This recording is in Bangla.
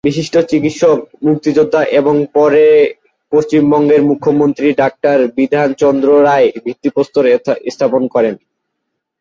বিশিষ্ট চিকিৎসক, মুক্তিযোদ্ধা এবং পরে পশ্চিমবঙ্গের মুখ্যমন্ত্রী ডাক্তার বিধান চন্দ্র রায় ভিত্তিপ্রস্তর স্থাপন করেন।